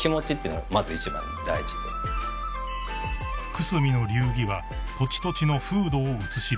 ［久住の流儀は土地土地の風土を映し出すこと］